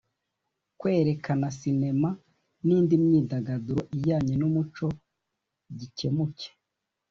kwerekana sinema n’indi myidagaduro ijyanye n’umuco gikemuke